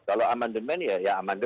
kalau amendement ya amendement